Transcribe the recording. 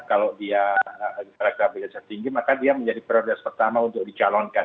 kalau dia elektabilitasnya tinggi maka dia menjadi prioritas pertama untuk dicalonkan